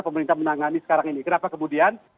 pemerintah menangani sekarang ini kenapa kemudian